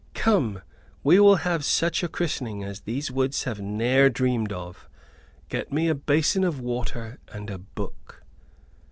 "Come, we will have such a christening as these woods have ne'er dreamed of. Get me a basin of water and a book."